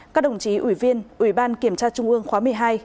các đồng chí ủy viên ủy ban kiểm tra trung ương khóa một mươi hai